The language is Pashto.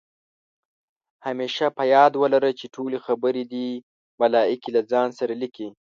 همېشه په یاد ولره، چې ټولې خبرې دې ملائکې له ځان سره لیکي